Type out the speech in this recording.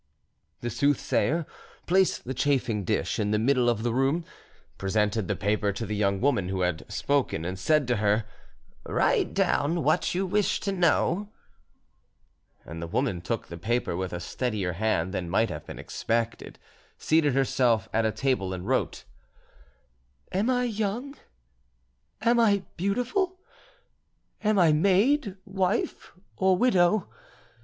The soothsayer placed the chafing dish in the middle of the room, presented the paper to the young woman who had spoken, and said to her— "Write down what you wish to know." The woman took the paper with a steadier hand than might have been expected, seated herself at a table, and wrote:— "Am I young? Am I beautiful? Am I maid, wife, or widow?